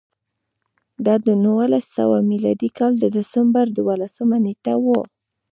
دا د نولس سوه میلادي کال د ډسمبر دولسمه نېټه وه